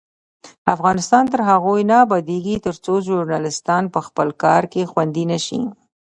افغانستان تر هغو نه ابادیږي، ترڅو ژورنالیستان په خپل کار کې خوندي نشي.